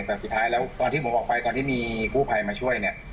ตอนที่ท้ายแล้วตอนที่ผมออกไปตอนที่มีผู้ภัยมาช่วย